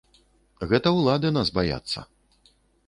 Гэта ўлады нас баяцца.